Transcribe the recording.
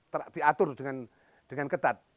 tidak diatur dengan ketat